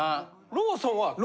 ローソンはある？